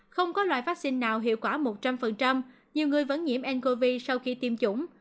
không có loại vaccine nào hiệu quả một trăm linh nhiều người vẫn nhiễm ncov sau khi tiêm chủng